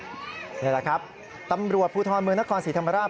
นี่แหละครับตำรวจภูทรเมืองนครศรีธรรมราช